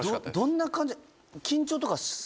どんな感じ？